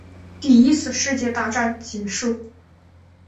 第一次世界大战结束